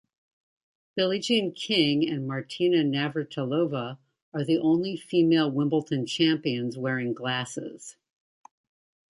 Billie-Jean King and Martina Navratilova are the only female Wimbledon champions wearing glasses.